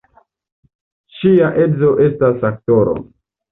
Ŝia edzo estas aktoro.